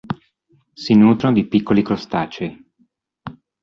Si nutrono di piccoli crostacei.